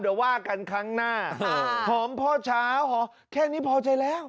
เดี๋ยวว่ากันครั้งหน้าหอมพ่อเช้าหอมแค่นี้พอใจแล้ว